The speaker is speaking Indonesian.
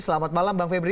selamat malam bang febri